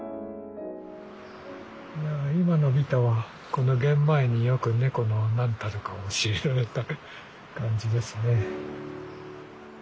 今のビタはこのゲンマイによく猫の何たるかを教えられた感じですね。